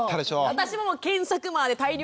私も検索魔で大量の本。